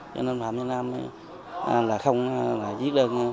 cho nên phạm nhân nam không viết đơn tha tội chết